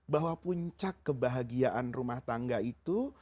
bahwa puncak kebahagiaan rumah tangga itu